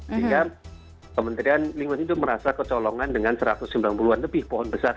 jadi kan kementerian lingkungan hidup merasa kecolongan dengan satu ratus sembilan puluh an lebih pohon besar